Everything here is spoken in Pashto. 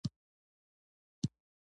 مېرمن یې تر ده زیاته ټپي شوې وه.